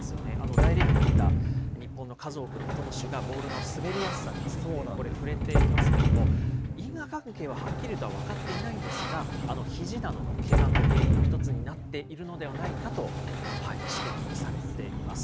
大リーグに行った日本の数多くの投手がボールの滑りやすさについて触れていますけれども、因果関係ははっきりとは分かっていないんですが、ひじなどのけがの原因の一つになっているのではないかと指摘されています。